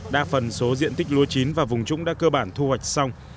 đa phần số diện tích lúa chín và vùng trũng đã cơ bản thu hoạch xong